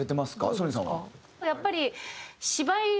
ソニンさんは？